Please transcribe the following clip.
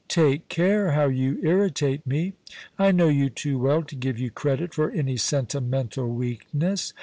*Take care how you irritate me. I know you too well to give you credit for any sentimental weakness.